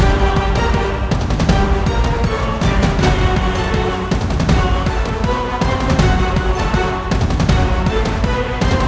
kutipkan kita teranter